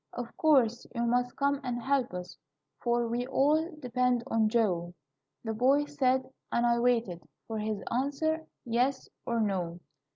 'Of course, you must come and help us, For we all depend on Joe,' The boys said; and I waited For his answer yes or no.